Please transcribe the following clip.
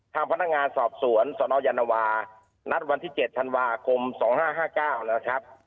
ทางพนักงานสอบสวนสนยานวานัดวันที่๗ธันวาคม๒๕๕๙แล้วครับ